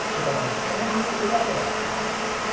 歩があればまた別ですけど。